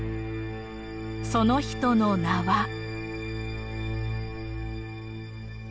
その人の名は。